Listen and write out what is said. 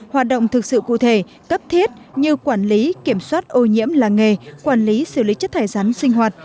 hoạt động thực sự cụ thể cấp thiết như quản lý kiểm soát ô nhiễm làng nghề quản lý xử lý chất thải rắn sinh hoạt